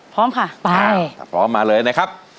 พร้อมค่ะไปถ้าพร้อมมาเลยนะครับ